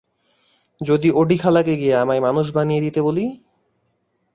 যদি ওডি খালাকে গিয়ে আমায় মানুষ বানিয়ে দিতে বলি?